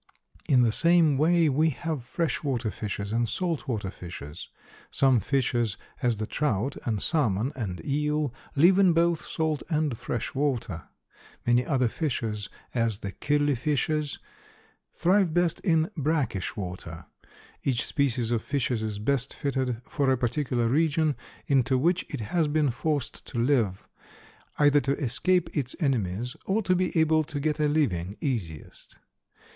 In the same way we have fresh water fishes and salt water fishes; some fishes, as the trout and salmon and eel, live in both salt and fresh water. Many other fishes, as the killifishes, thrive best in brackish water. Each species of fishes is best fitted for a particular region into which it has been forced to live, either to escape its enemies or to be able to get a living easiest.